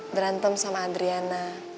berantem sama adriana